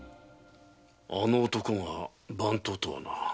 あの男が番頭とはな。